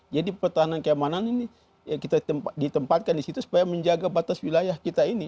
jadi pertahanan keamanan ini kita ditempatkan di situ supaya menjaga batas wilayah kita ini